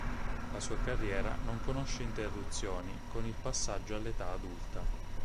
La sua carriera non conosce interruzioni con il passaggio all'età adulta.